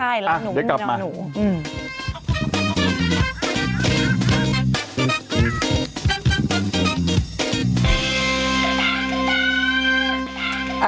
ไม่ใช่ล่ะหนูนอนู